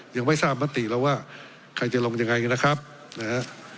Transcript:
ยังไม่ทราบมติแล้วว่าใครจะลงยังไงกันนะครับนะฮะ